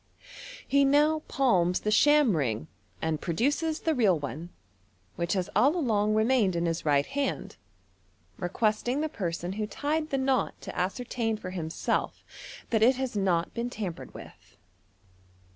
He now palms the sham ring, and produces the real one, which has all along re naained in his right hand, requesting the person who tied the knot to ascertain for himself that it has not been tampered with.